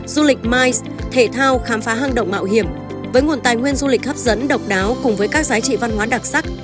du lịch miles thể thao khám phá hang động mạo hiểm với nguồn tài nguyên du lịch hấp dẫn độc đáo cùng với các giá trị văn hóa đặc sắc